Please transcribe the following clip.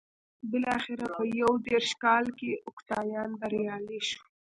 بلاخره په یو دېرش کال کې اوکتاویان بریالی شو